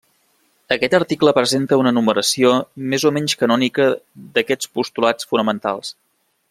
Aquest article presenta una enumeració més o menys canònica d'aquests postulats fonamentals.